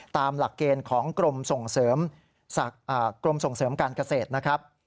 ตามหลักเกณฑ์ของกรมส่งเสริมการเกษตรนะครับ